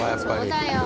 そうだよ。